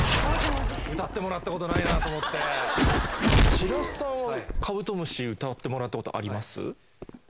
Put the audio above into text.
白洲さんは『カブトムシ』歌ってもらったことあります？